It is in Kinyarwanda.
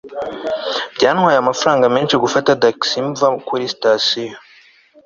byantwaye amafaranga menshi gufata tagisi mva kuri sitasiyo